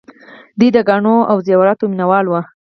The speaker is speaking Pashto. دوی د ګاڼو او زیوراتو مینه وال وو